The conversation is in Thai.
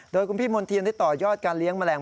โดยคุณพี่มณ์เทียนได้ต่อยอดการเลี้ยงแมลง